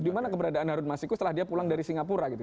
dimana keberadaan harun masiku setelah dia pulang dari singapura gitu